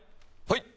はい！